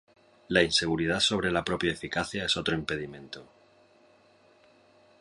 La inseguridad sobre la propia eficacia es otro impedimento.